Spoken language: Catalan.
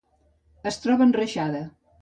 Es troba enreixada.